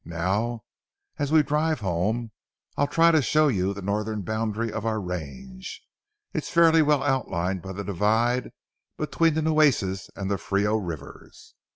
Now, as we drive home, I'll try to show you the northern boundary of our range; it's fairly well outlined by the divide between the Nueces and the Frio rivers."